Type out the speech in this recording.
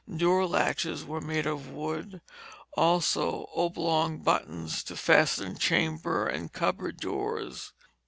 Door latches were made of wood, also oblong buttons to fasten chamber and cupboard doors.